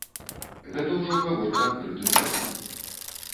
Гэта ўжо гаворка адкрытым тэкстам.